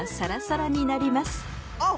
あっ